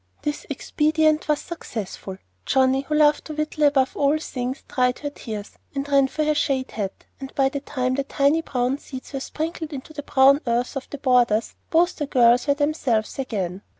This expedient was successful. Johnnie, who loved to "whittle" above all things, dried her tears, and ran for her shade hat; and by the time the tiny brown seeds were sprinkled into the brown earth of the borders, both the girls were themselves again.